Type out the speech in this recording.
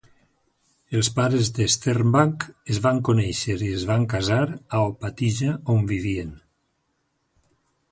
Els pares de Sternbach es van conèixer i es van casar a Opatija, on vivien.